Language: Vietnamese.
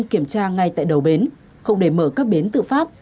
kiểm tra ngay tại đầu bến không để mở các bến tự phát